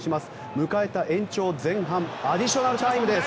迎えた延長前半アディショナルタイムです。